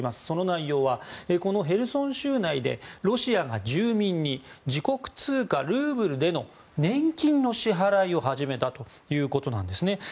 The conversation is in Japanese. その内容はこのヘルソン州内でロシアが住民に自国通貨ルーブルでの年金の支払いを始めたということなんですね。